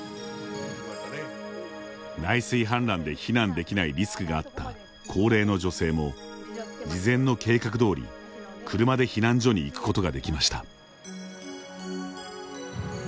内水氾濫で避難できないリスクがあった高齢の女性も事前の計画通り、車で避難所に行くことができました。